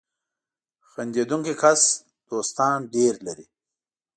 • خندېدونکی کس دوستان ډېر لري.